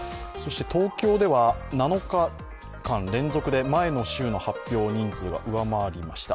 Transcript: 東京では７日間連続で前の週の発表人数を上回りました。